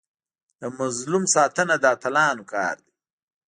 د مظلوم ساتنه د اتلانو کار دی.